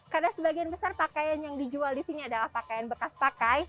karena sebagian besar pakaian yang dijual di sini adalah pakaian bekas pakai